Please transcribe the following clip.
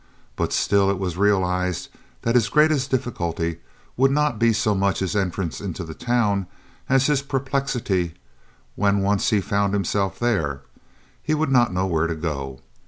But still it was realised that his greatest difficulty would not be so much his entrance into the town as his perplexity when once he found himself there. He would not know where to go.